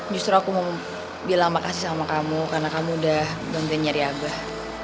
justru aku mau bilang makasih sama kamu karena kamu udah bantuin nyari abah